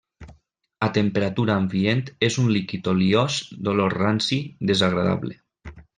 A temperatura ambient és un líquid oliós d'olor ranci desagradable.